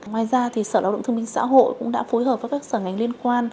ngoài ra sở lao động thương minh xã hội cũng đã phối hợp với các sở ngành liên quan